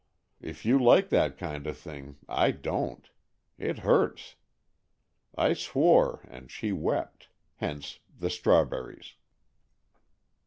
If you like that kind of thing I don't. It hurts. I swore and she wept. Hence the strawberries."